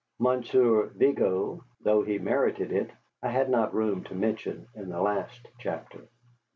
Monsieur Vigo, though he merited it, I had not room to mention in the last chapter.